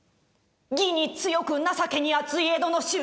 義に強く情けにあつい江戸の衆。